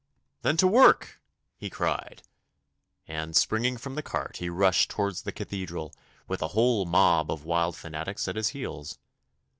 'Then to work!' he cried, and springing from the cart he rushed towards the Cathedral, with the whole mob of wild fanatics at his heels.